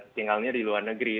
tinggalnya di luar negeri